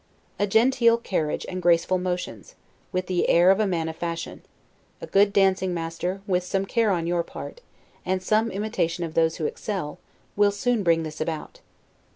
A genteel carriage and graceful motions, with the air of a man of fashion: a good dancing master, with some care on your part, and some imitation of those who excel, will soon bring this about.